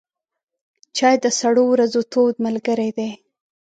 چای د سړو ورځو تود ملګری دی.